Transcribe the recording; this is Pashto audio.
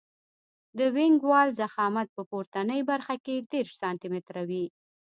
د وینګ وال ضخامت په پورتنۍ برخه کې دېرش سانتي متره وي